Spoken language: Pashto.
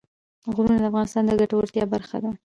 غرونه د افغانانو د ګټورتیا برخه ده.